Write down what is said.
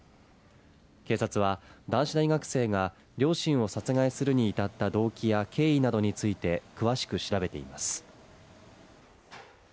警察は男子大学生が両親を殺害するに至った動機や経緯などについて詳しく調べています。